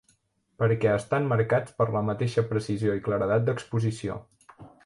Perquè estan marcats per la mateixa precisió i claredat d'exposició.